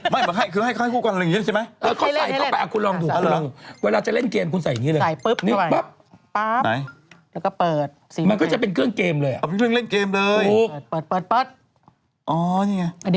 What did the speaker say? ไม่คือเขาให้ผู้คนอะไรอย่างงี้นะใช่ไหมก็ใส่เข้าไปอะคุณลองดู